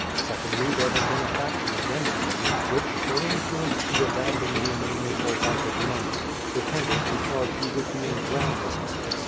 Secondly, there has been a faction against you, which, though influenced to abandon you mainly^ for want of money, pretended to charge you with being Brownists, etc.